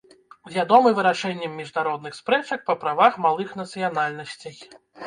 Вядомы вырашэннем міжнародных спрэчак па правах малых нацыянальнасцей.